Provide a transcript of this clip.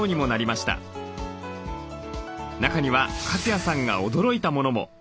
中には粕谷さんが驚いたものも。